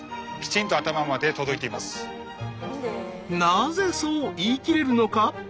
なぜそう言いきれるのか？